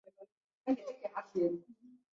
掷弹兵接着向山丘突袭。